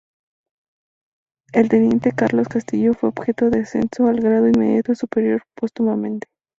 El teniente Carlos Castillo fue objeto de ascenso al grado inmediato superior póstumamente.